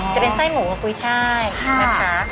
จะเป็นไส้หมูกับกุ้ยช่ายนะคะ